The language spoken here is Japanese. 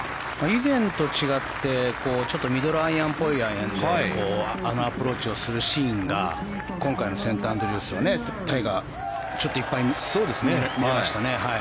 以前と違ってちょっとミドルアイアンっぽいアイアンであのアプローチをするシーンが今回のセントアンドリュースはタイガー、ちょっといっぱい見られましたね。